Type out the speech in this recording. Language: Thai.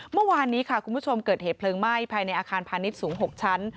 เมื่อวานนี้ค่ะคุณผู้ชมเกิดเหตุเพลิงไหม้ภายในอาคารพาณิชย์สูง๖ชั้น